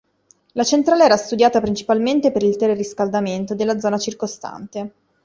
La centrale era studiata principalmente per il teleriscaldamento della zona circostante.